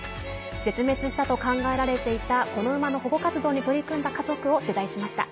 絶滅したと考えられていたこの馬の保護活動に取り組んだ家族を取材しました。